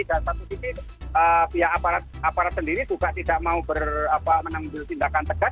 dan satu sisi pihak aparat aparat sendiri juga tidak mau menanggul tindakan tegas